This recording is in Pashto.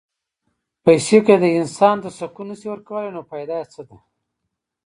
پېسې که انسان ته سکون نه شي ورکولی، نو فایده یې څه ده؟